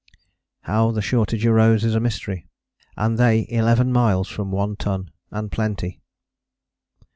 How the shortage arose is a mystery. And they eleven miles from One Ton and plenty!